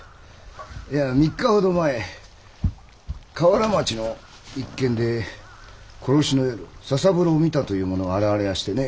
いや３日ほど前瓦町の一件で殺しの夜佐三郎を見たという者現れやしてね。